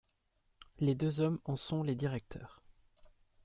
Les deux hommes en sont les directeurs.